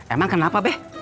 emang kenapa be